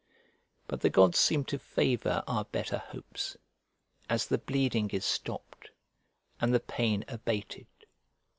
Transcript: But the gods seem to favour our better hopes, as the bleeding is stopped, and the pain abated.